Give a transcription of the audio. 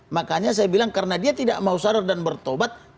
makanya saya bilang karena dia tidak mau sadar dan bertobat